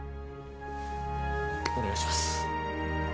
お願いします。